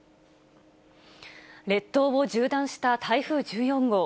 列島を縦断した台風１４号。